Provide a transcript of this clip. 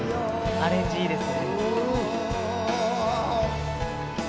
アレンジいいですね。